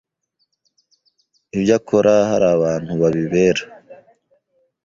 ibyo akora hari abantu babibera’.